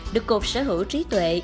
được cột sở hữu trí tuệ